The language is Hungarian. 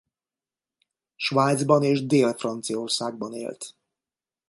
Svájcban és Dél-Franciaországban élt.